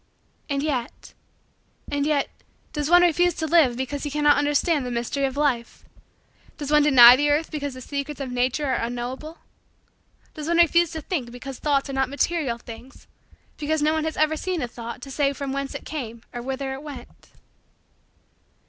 And yet and yet does one refuse to live because he cannot understand the mystery of life? Does one deny the earth because the secrets of Mature are unknowable? Does one refuse to think because thoughts are not material things because no one has ever seen a thought to say from whence it came or whither it went?